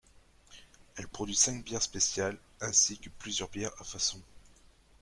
Elle produit cinq bières spéciales ainsi que plusieurs bières à façon.